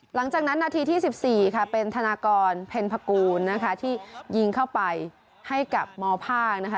หลังจากนั้นนาทีที่๑๔ค่ะเป็นธนากรเพ็ญพกูลที่ยิงเข้าไปให้กับมภาค